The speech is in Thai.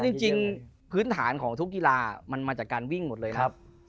จริงพื้นฐานของทุกกีฬามันมาจากการวิ่งหมดเลยนะครับ